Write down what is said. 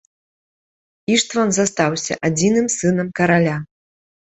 Іштван застаўся адзіным сынам караля.